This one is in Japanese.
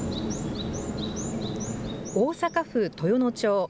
大阪府豊能町。